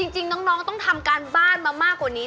จริงน้องต้องทำการบ้านมามากกว่านี้